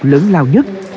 lớn lao nhất